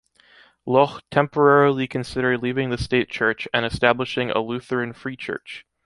Löhe temporarily considered leaving the state church and establishing a Lutheran free church.